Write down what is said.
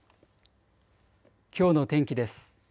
きょうの天気です。